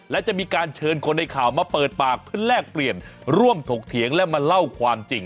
และจะมีการเชิญคนในข่าวมาเปิดปากเพื่อแลกเปลี่ยนร่วมถกเถียงและมาเล่าความจริง